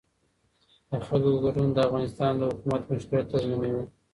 د خلکو ګډون د افغانستان د حکومت مشروعیت تضمینوي